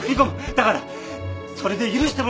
だからそれで許してもらえないかな？